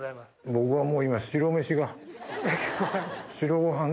僕はもう今白飯が。